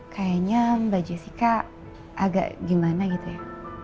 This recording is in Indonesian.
kayaknya mbak jessica agak gimana gitu ya